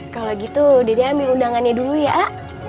kalau gitu dede ambil undangannya dulu ya a